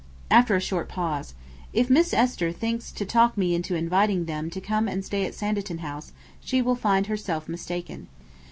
After a short pause: 'If Miss Esther thinks to talk me into inviting them to come and stay at Sanditon House, she will find herself mistaken.